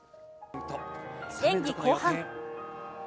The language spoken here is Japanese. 演技後半。